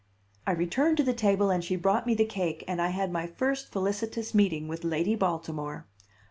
I returned to the table and she brought me the cake, and I had my first felicitous meeting with Lady Baltimore.